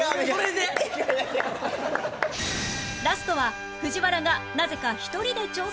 ラストは藤原がなぜか１人で挑戦